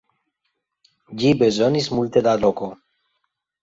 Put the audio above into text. Ĝi bezonis multe da loko.